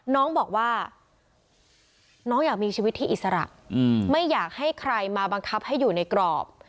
น้องบอกว่าน้องอยากมีชีวิตที่อิสระไม่อยากให้ใครมาบังคับให้อยู่ในกรอบ